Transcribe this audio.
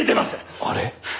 あれ？